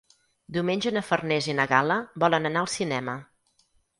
Diumenge na Farners i na Gal·la volen anar al cinema.